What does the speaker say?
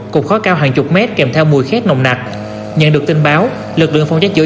cục khó cao hàng chục mét kèm theo mùi khét nồng nặc nhận được tin báo lực lượng phong trách chữa